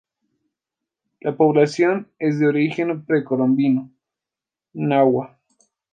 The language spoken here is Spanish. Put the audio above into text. La población es de origen precolombino náhua.